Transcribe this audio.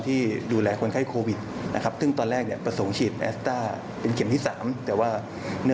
ที่ถูกเลี่ยงแรงกันด้วยนายเทนและปลุกของบุคลากร